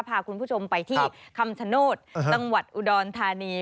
พาคุณผู้ชมไปที่คำชโนธตอุดรธานี